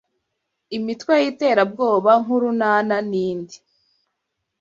imitwe y’iterabwoba nk’Urunana nindi